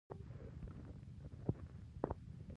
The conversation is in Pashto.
ولانتیني ډېر ښه عملیات کړي و.